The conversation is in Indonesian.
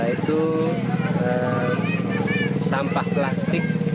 itu sampah plastik